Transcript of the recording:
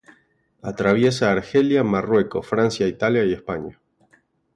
Atraviesa Argelia, Marruecos, Francia, Italia y España.